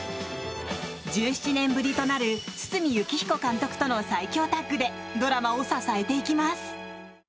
１７年ぶりとなる堤幸彦監督との最強タッグでドラマを支えていきます。